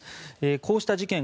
こうした事件